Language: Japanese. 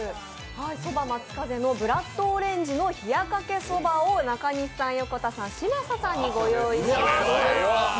蕎麦松風のブラッドオレンジの冷かけ蕎麦を中西さん、横田さん嶋佐さんにご用意しています。